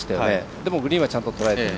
でもグリーンはちゃんととらえている。